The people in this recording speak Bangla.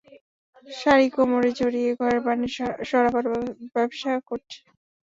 শাড়ি কোমরে জড়িয়ে ঘরের পানি সরাবার ব্যবসা করছে।